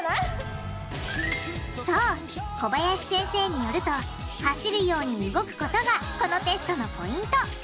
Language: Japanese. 小林先生によると走るように動くことがこのテストのポイント。